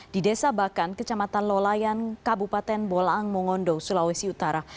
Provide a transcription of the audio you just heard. di desa bakan kecamatan lolayan kabupaten bolaang mongondo sulawesi utara